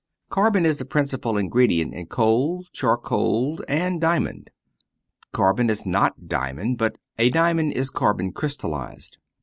Carbon is the principal ingredient in coal, charcoal, and diamond. Carbon is not diamond, but a diamond is carbon crystallized.